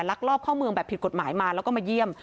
ลักลอบเข้าเมืองแบบผิดกฎหมายมาแล้วก็มาเยี่ยม